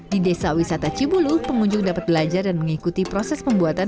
di desa wisata cibulu pengunjung dapat belajar dan mengikuti proses pembuatan